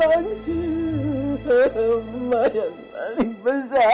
mak yang paling bersalah